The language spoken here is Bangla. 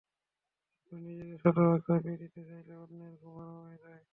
তবে নিজের শতভাগ চাপিয়ে দিতে চাইলে অন্যের ঘুম হারাম হয়ে যায়।